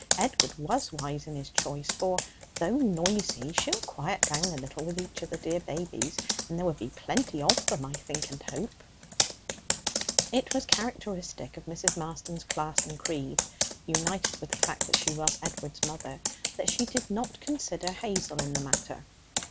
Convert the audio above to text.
Edward was wise in his choice. For, though noisy, she'll quiet down a little with each of the dear babies, and there will be plenty of them, I think and hope.' It was characteristic of Mrs. Marston's class and creed (united with the fact that she was Edward's mother) that she did not consider Hazel in the matter.